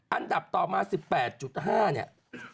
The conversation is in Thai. อันดับต่อมา๑๘๕เนี่ย